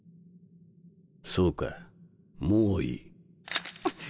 そうかもういい。